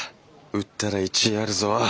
売ったら１位あるぞ！